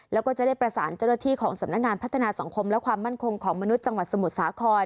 แล้วก็จะได้ประสานเจ้าหน้าที่ของสำนักงานพัฒนาสังคมและความมั่นคงของมนุษย์จังหวัดสมุทรสาคร